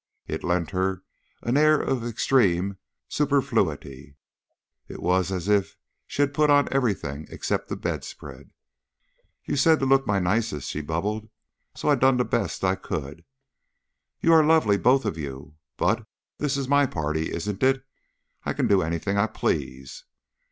It lent her an air of extreme superfluity; it was as if she had put on everything except the bedspread. "You said to look my nicest," she bubbled, "so I done the best I could." "You are lovely, both of you, but this is my party, isn't it? I can do anything I please?"